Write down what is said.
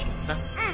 うん！